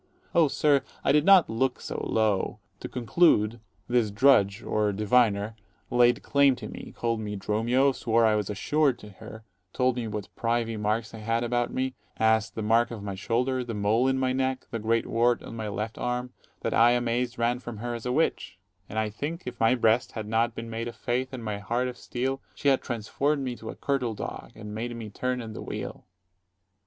_ Oh, sir, I did not look so low. To conclude, this drudge, or diviner, laid claim to me; called me Dromio; swore I was assured to her; told me what privy marks I had about me, as, the mark of my shoulder, the 140 mole in my neck, the great wart on my left arm, that I, amazed, ran from her as a witch: And, I think, if my breast had not been made of faith, and my heart of steel, She had transform'd me to a curtal dog, and made me turn i' the wheel.